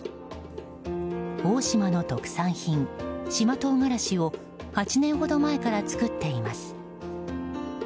大島の特産品、島唐辛子を８年ほど前から作っています。